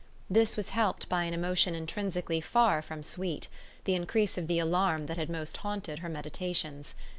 This was helped by an emotion intrinsically far from sweet the increase of the alarm that had most haunted her meditations.